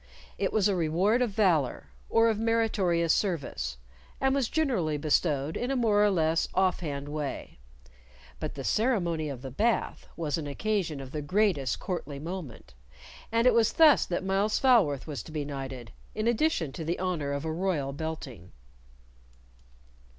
It was a reward of valor or of meritorious service, and was generally bestowed in a more or less off hand way; but the ceremony of the Bath was an occasion of the greatest courtly moment, and it was thus that Myles Falworth was to be knighted in addition to the honor of a royal belting.